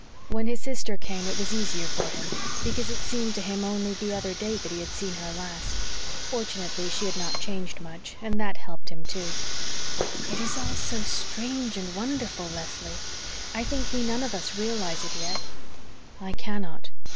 When his sister came it was easier for him, because it seemed to him only the other day that he had seen her last. Fortunately she had not changed much, and that helped him, too." "It is all so strange and wonderful, Leslie. I think we none of us realise it yet." "I cannot.